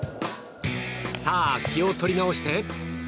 さあ、気を取り直して。